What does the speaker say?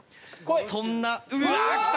そんなうわっ来た！